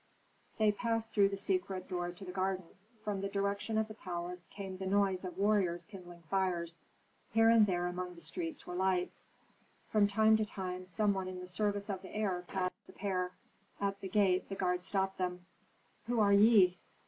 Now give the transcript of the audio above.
They passed through the secret door to the garden. From the direction of the palace came the noise of warriors kindling fires. Here and there among the trees were lights; from time to time some one in the service of the heir passed the pair. At the gate the guard stopped them, "Who are ye?"